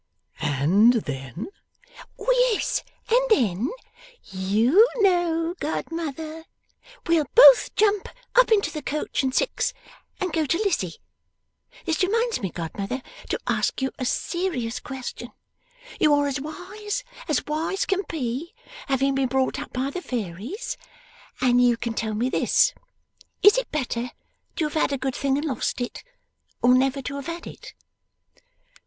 'And then?' 'Yes, and then YOU know, godmother. We'll both jump up into the coach and six and go to Lizzie. This reminds me, godmother, to ask you a serious question. You are as wise as wise can be (having been brought up by the fairies), and you can tell me this: Is it better to have had a good thing and lost it, or never to have had it?